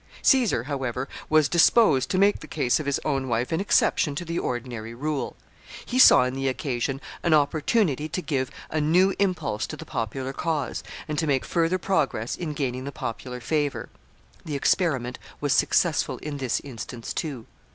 Caesar, however, was disposed to make the case of his own wife an exception to the ordinary rule. He saw in the occasion an opportunity to give a new impulse to the popular cause, and to make further progress in gaining the popular favor. The experiment was successful in this instance too.